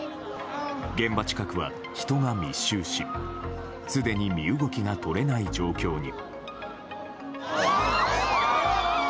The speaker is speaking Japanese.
現場近くは人が密集しすでに身動きが取れない状況に。